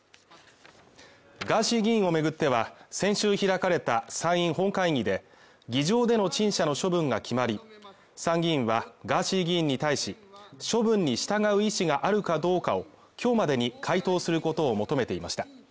ガーシー議員を巡っては、先週開かれた参院本会議で、議場での陳謝の処分が決まり、参議院はガーシー議員に対し、処分に従う意思があるかどうかを、今日までに回答することを求めていました。